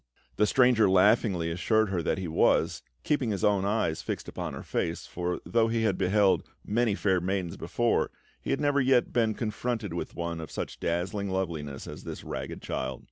The stranger laughingly assured her that he was, keeping his own eyes fixed upon her face, for, though he had beheld many fair maidens before, he had never yet been confronted with one of such dazzling loveliness as this ragged child.